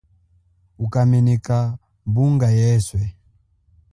Uka meneka mbunga yeswe.